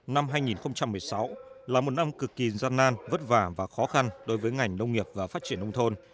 năm hai nghìn một mươi sáu là một năm cực kỳ gian nan vất vả và khó khăn đối với ngành nông nghiệp và phát triển nông thôn